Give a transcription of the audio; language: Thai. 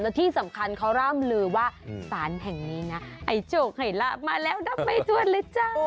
และที่สำคัญเขาร่ำลือว่าสารแห่งนี้นะไอ้โชคให้ลาบมาแล้วนับไม่ถ้วนเลยจ้า